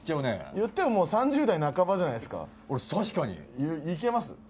言ってももう３０代半ばじゃないっすか確かにいけます？